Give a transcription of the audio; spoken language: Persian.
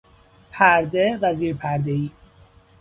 پرده و زیر پرده ای